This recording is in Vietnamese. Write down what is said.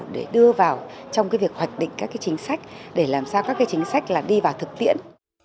để đưa vào trong cái việc hoạch định các cái chính sách để làm sao các cái chính sách là đi vào thực tiễn